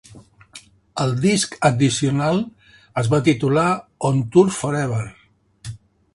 El disc addicional es va titular "On Tour Forever".